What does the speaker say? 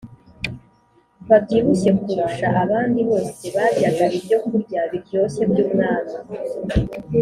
Babyibushye kurusha abandi bose baryaga ibyokurya biryoshye by’umwami